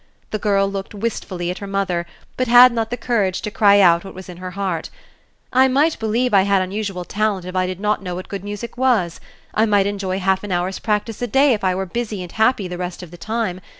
The girl looked wistfully at her mother, but had not the courage to cry out what was in her heart: "I might believe I had unusual talent if I did not know what good music was; I might enjoy half an hour's practice a day if I were busy and happy the rest of the time.